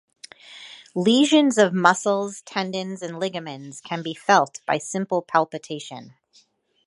Lesions of muscles, tendons, and ligaments can be felt by simple palpation.